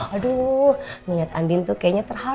aduh niat andin tuh kayaknya terharu